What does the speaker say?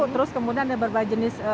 terus kemudian ada berbagai jenis